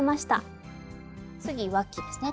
次わきですね